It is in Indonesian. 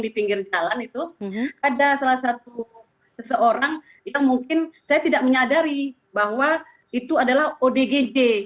di pinggir jalan itu ada salah satu seseorang yang mungkin saya tidak menyadari bahwa itu adalah odgj